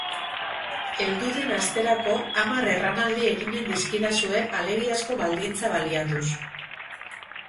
Heldu den asterako hamar erranaldi eginen dizkidazue alegiazko baldintza baliatuz.